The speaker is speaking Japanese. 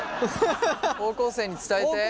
高校生に伝えて。